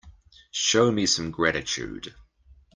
Show me some gratitude.